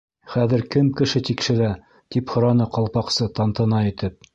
—Хәҙер кем кеше тикшерә? —тип һораны Ҡалпаҡсы тантана итеп.